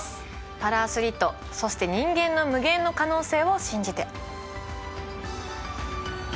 パラアスリートそして人間の無限の可能性を信じて。